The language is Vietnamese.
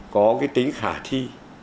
có cái tính khả thi